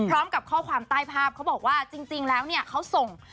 พร้อมกับข้อความใต้ภาพเขาบอกว่าจริงแล้วเนี่ยเขาส่ง